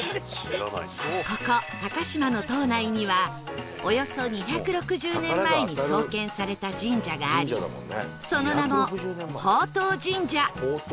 ここ高島の島内にはおよそ２６０年前に創建された神社がありその名も宝当神社